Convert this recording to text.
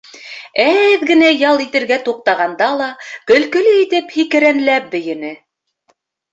Әҙ генә ял итергә туҡтағанда ла көлкөлө итеп һикерәнләп бейене.